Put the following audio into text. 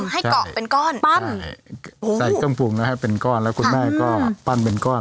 ให้เกาะเป็นก้อนปั้นใช่ใส่กำฟูงแล้วให้เป็นก้อนแล้วคุณแม่ก็ปั้นเป็นก้อน